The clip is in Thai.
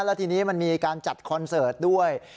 แล้วทีนี้มันมีการจัดคอนเสิร์ตด้วย